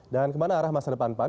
dan kemana arah masa depan pan